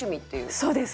そうです。